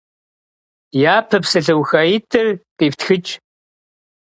Япэ псалъэухаитӀыр къифтхыкӀ.